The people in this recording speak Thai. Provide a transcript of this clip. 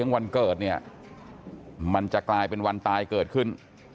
วันเกิดเนี่ยมันจะกลายเป็นวันตายเกิดขึ้น